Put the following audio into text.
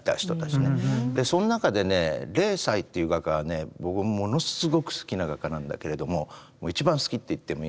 その中でね霊彩という画家は僕ものすごく好きな画家なんだけれども一番好きと言ってもいいぐらい。